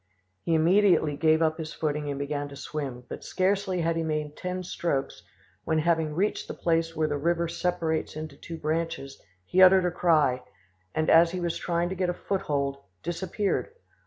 He immediately gave up his footing and began to swim, but scarcely had he made ten strokes when, having reached the place where the river separates into two branches, he uttered a cry, and as he was trying to get a foothold, disappeared.